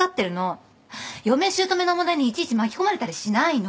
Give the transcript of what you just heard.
嫁姑の問題にいちいち巻き込まれたりしないの。